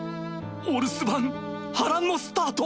お留守番波乱のスタート！